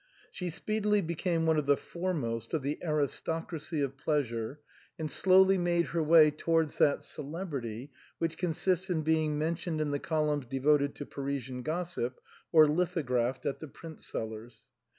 She speedily became one of the foremost of the aris tocracy of pleasure and slowly made her way towards that celebrity which consists in being mentioned in the columns devoted to Parisian gossip, or lithographed at the print sellers.